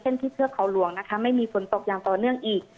ที่เทือกเขาหลวงนะคะไม่มีฝนตกอย่างต่อเนื่องอีก